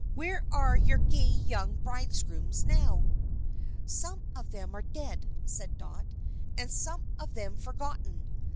Where are your gay young bridegrooms now?" "Some of them are dead," said Dot; "and some of them forgotten.